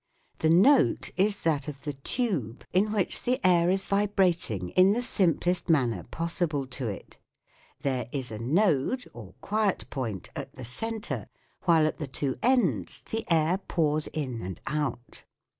The note is that of the tube, in which the air is vibrating in the simplest manner pos sible to it ; there is a node or quiet point at the centre, while at the two ends the air pours in and out.